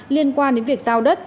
liên quan đến việc giao đất